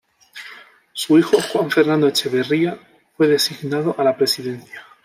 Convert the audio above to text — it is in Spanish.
Su hijo Juan Fernando Echeverría fue designado a la Presidencia.